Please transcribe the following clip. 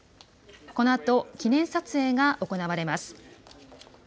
このあと記念撮影が行われます。